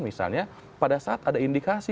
misalnya pada saat ada indikasi